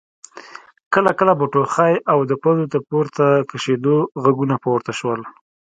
کله کله به ټوخی او د پزو د پورته کشېدو غږونه پورته شول.